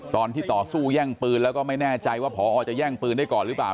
ตอนที่ต่อสู้แย่งปืนแล้วก็ไม่แน่ใจว่าพอจะแย่งปืนได้ก่อนหรือเปล่า